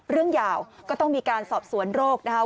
เรื่องยาวก็ต้องมีการสอบสวนโรคนะครับ